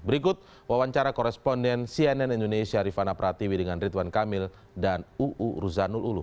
berikut wawancara koresponden cnn indonesia rifana pratiwi dengan ridwan kamil dan uu ruzanul ulu